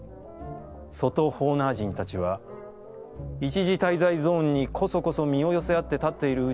外ホーナー人たちは、一時滞在ゾーンにこそこそ身を寄せあって立っている内